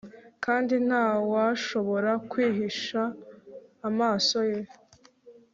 kandi nta washobora kwihisha amaso ye